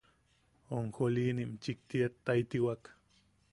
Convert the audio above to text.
Onjolinim chikti ettaitewak.